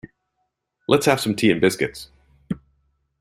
Let's have some tea and biscuits.